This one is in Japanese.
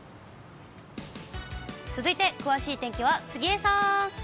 続いて詳しい天気は杉江さん。